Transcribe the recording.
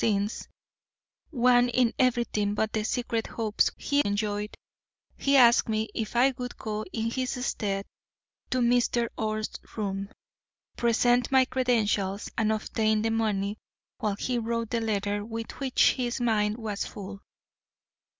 since one in everything but the secret hopes he enjoyed, he asked me if I would go in his stead to Mr. Orr's room, present my credentials, and obtain the money while he wrote the letter with which his mind was full.